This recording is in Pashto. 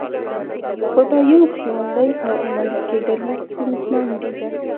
خو دا یو خیال دی او عملي کېدل یې ستونزمن دي.